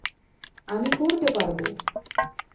আমি করতে পারব।